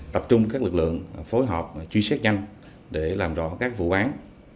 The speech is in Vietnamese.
tập trung các lực lượng phối hợp truy xét nhanh để làm rõ các vụ bán